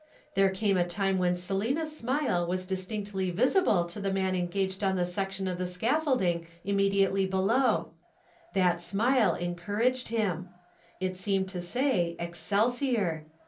There came a time when Selina's smile was distinctly visible to the man engaged on the section of the scaffolding immediately below. That smile encouraged him. It seemed to say 'Excelsior.'